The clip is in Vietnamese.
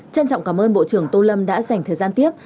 trân trọng cảm ơn bộ trưởng tô lâm đã dành thời gian tiếp